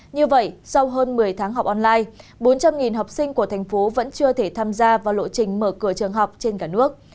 như vậy sau hơn một mươi tháng học online bốn trăm linh học sinh của thành phố vẫn chưa thể tham gia vào lộ trình mở cửa trường học trên cả nước